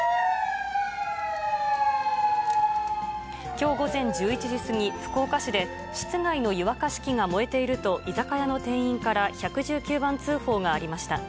きょう午前１１時過ぎ、福岡市で室外の湯沸かし器が燃えていると、居酒屋の店員から１１９番通報がありました。